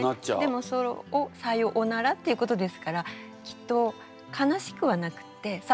でもそれを「さよおなら」っていうことですからきっと悲しくはなくってサバサバと。